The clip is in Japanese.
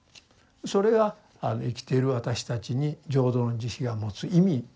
それが生きている私たちに浄土の慈悲が持つ意味なんですね。